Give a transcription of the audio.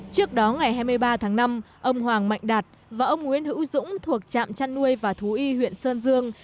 trước đó ngày hai mươi ba tháng năm ông hoàng mạnh đạt và ông nguyễn hữu dũng thuộc trạm chăn nuôi và thú y huyện sơn dương